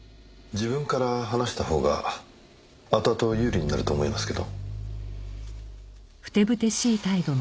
自分から話したほうがあとあと有利になると思いますけど。